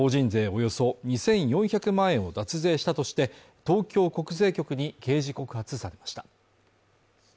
およそ２４００万円を脱税したとして、東京国税局に刑事告発されました。